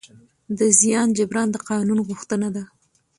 د زیان جبران د قانون غوښتنه ده.